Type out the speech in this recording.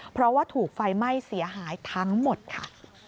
เพราะว่าถูกไฟไหม้เสียหายทั้งหมดค่ะ